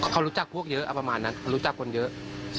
เขารู้จักพวกเยอะประมาณนั้นรู้จักคนเยอะ